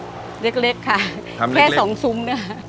ทำเล็กแค่สองซุ้มเนี่ย